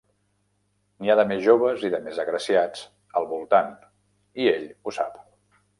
N'hi ha de més joves i de més agraciats al voltant i ell ho sap.